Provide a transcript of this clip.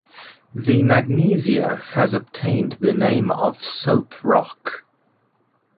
The magnesia has obtained the name of soap-rock.